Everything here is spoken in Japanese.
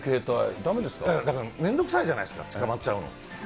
だから、面倒くさいじゃないですか、つかまっちゃうの。